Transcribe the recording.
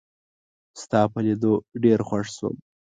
ستا په لیدو ډېر خوښ شوم